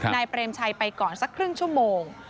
เปรมชัยไปก่อนสักครึ่งชั่วโมง